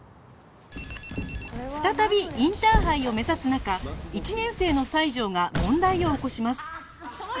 再びインターハイを目指す中１年生の西条が問題を起こします